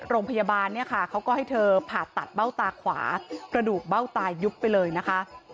โรงพยาบาลเนี่ยค่ะเขาก็ให้เธอผ่าตัดเบ้าตาขวากระดูกเบ้าตายุบไปเลยนะคะ